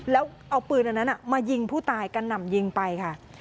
แล้วเอาปืนอันนั้นมายิงผู้ตายกระหน่ำยิงไปค่ะ